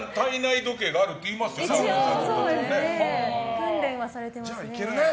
訓練はされてますね。